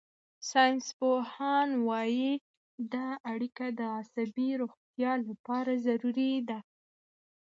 ساینسپوهان وايي دا اړیکه د عصبي روغتیا لپاره ضروري ده.